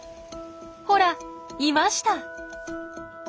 ほらいました！